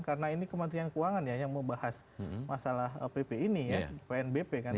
karena ini kementerian keuangan yang membahas masalah pp ini ya pnbp kan